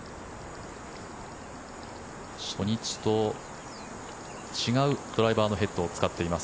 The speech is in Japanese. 初日と違うドライバーのヘッドを使っています。